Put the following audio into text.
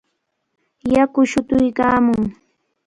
Yaku shutuykaamun.